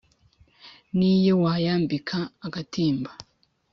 n' iyo wayambika agatimba